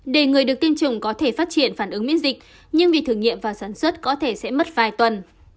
để người được tiêm chủng có thể phát triển phản ứng miễn dịch nhưng vì thử nghiệm và sản xuất có thể sẽ mất vài tuần